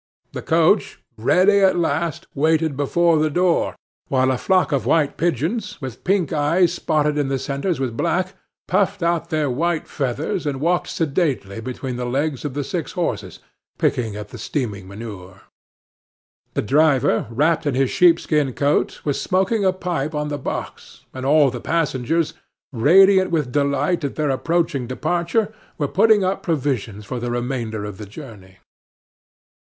The coach, ready at last, waited before the door; while a flock of white pigeons, with pink eyes spotted in the centres with black, puffed out their white feathers and walked sedately between the legs of the six horses, picking at the steaming manure. The driver, wrapped in his sheepskin coat, was smoking a pipe on the box, and all the passengers, radiant with delight at their approaching departure, were putting up provisions for the remainder of the journey.